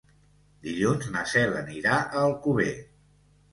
Dilluns na Cel anirà a Alcover.